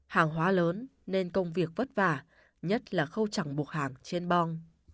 hàng hóa lớn nên công việc vất vả nhất là khâu chẳng buộc hàng trên bom